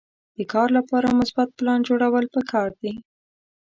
د کار لپاره مثبت پلان جوړول پکار دي.